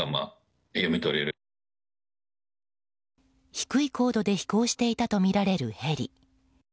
低い高度で飛行していたとみられるヘリ。